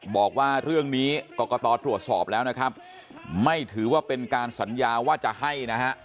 บอกว่าเรื่องนี้กรกตตรวจสอบแล้วนะครับไม่ถือว่าเป็นการสัญญาว่าจะให้นะฮะ